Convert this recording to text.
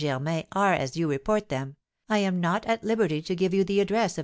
Germain are as you report them, I am not at liberty to give you the address of M.